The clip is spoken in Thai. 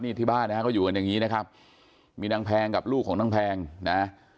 นี่ที่บ้านนะฮะก็อยู่กันอย่างนี้นะครับมีนางแพงกับลูกของนางแพงนะ